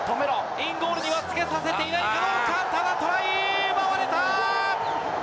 インゴールにはつけさせていない、どうか、トライ、奪われた。